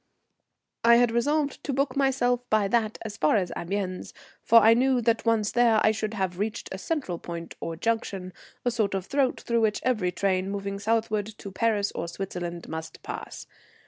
I had resolved to book myself by that as far as Amiens, for I knew that, once there, I should have reached a central point or junction, a sort of throat through which every train moving southward to Paris or Switzerland must pass.